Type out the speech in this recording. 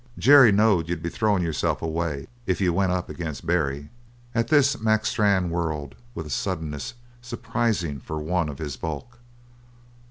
Jerry knowed you'd be throwing yourself away if you went up agin Barry." At this Mac Strann whirled with a suddenness surprising for one of his bulk.